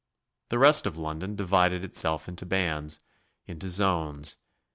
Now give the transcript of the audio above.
The rest of London divided itself into bands into zones.